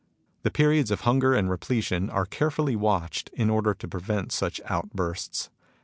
The periods of hunger and repletion are carefully watched in order to prevent such out bursts.